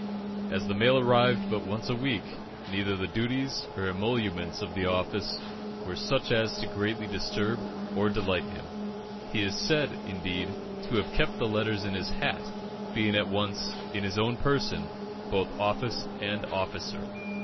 As the mail arrived but once a week, neither the duties nor emoluments of the office were such as to greatly disturb or delight him. He is said, indeed, to have kept the letters in his hat, being at once, in his own person, both office and officer.